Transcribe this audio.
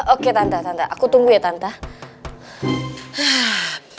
oke tante aku tunggu ya tante